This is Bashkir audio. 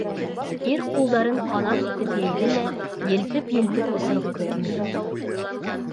Ир ҡулдарын ҡанат итеп йәйҙе лә елпеп-елпеп осорға тотондо.